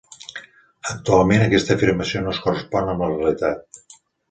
Actualment, aquesta afirmació no es correspon amb la realitat.